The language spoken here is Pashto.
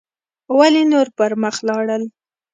ولې نور پر مخ لاړل